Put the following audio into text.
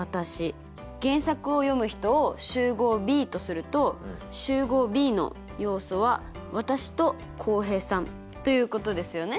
原作を読む人を集合Ｂとすると集合Ｂの要素は私と浩平さんということですよね。